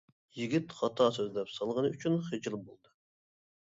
يىگىت خاتا سۆزلەپ سالغىنى ئۈچۈن خىجىل بولدى.